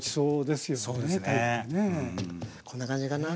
こんな感じかな。